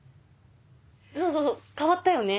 そうそうそう変わったよね。